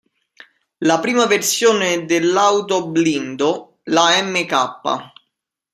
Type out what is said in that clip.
La prima versione dell'autoblindo, la Mk.